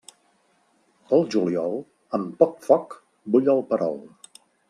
Pel juliol, amb poc foc, bull el perol.